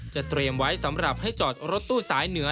เตรียมไว้สำหรับให้จอดรถตู้สายเหนือ